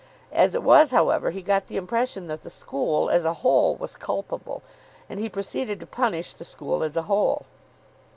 As it was, however, he got the impression that the school, as a whole, was culpable, and he proceeded to punish the school as a whole.